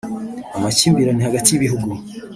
Amakimbirane hagati y’ibihugu